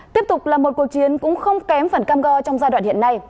tiếp tục là một cuộc chiến cũng không kém phần cam go trong giai đoạn hiện nay